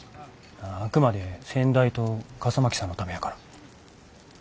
あくまで先代と笠巻さんのためやから。